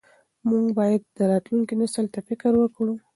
موږ باید راتلونکي نسل ته فکر وکړو.